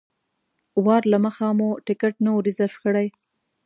وار له مخه مو ټکټ نه و ریزرف کړی.